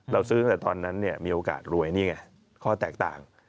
เราซื้อตั้งแต่ตอนนั้นเนี่ยมีโอกาสรวยนี่ไงข้อแตกต่าง